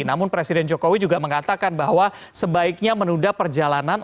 namun presiden jokowi juga mengatakan bahwa sebaiknya menunda perjalanan